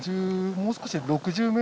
もう少しで６０ｍ。